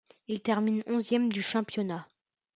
Il termine onzième du championnat.